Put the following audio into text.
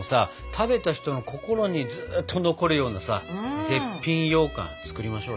食べた人の心にずっと残るようなさ絶品ようかん作りましょうよ。